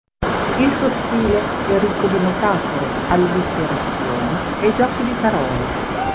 Il suo stile è ricco di metafore, allitterazioni e giochi di parole.